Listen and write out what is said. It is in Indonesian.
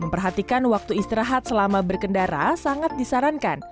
memperhatikan waktu istirahat selama berkendara sangat disarankan